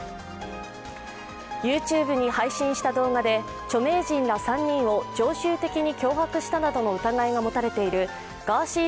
ＹｏｕＴｕｂｅに配信した動画で著名人ら３人を常習的に脅迫したなどの疑いが持たれているガーシー